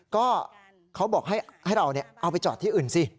ก็เขาบอกให้เราเอาไปจอดที่อื่นสิ